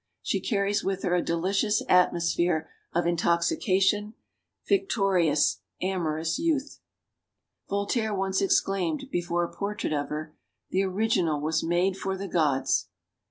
She carries with her a delicious atmosphere of intoxication, victori ous, amorous youth. Voltaire once exclaimed, before a portrait of her: "The original was made for the gods!"